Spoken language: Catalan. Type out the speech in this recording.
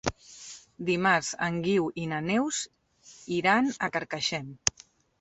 Dimarts en Guiu i na Neus iran a Carcaixent.